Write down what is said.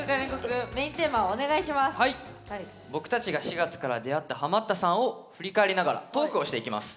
僕たちが４月から出会ったハマったさんを振り返りながらトークをしていきます。